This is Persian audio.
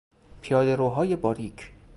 پیاده روهای باریک